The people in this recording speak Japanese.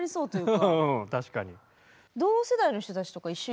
うん確かに。